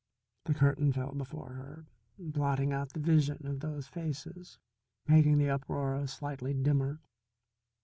The curtain fell before her, blotting out the vision of those faces, making the uproar slightly dimmer.